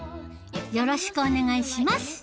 よろしくお願いします